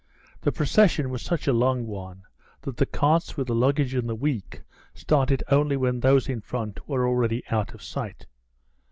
The procession was such a long one that the carts with the luggage and the weak started only when those in front were already out of sight.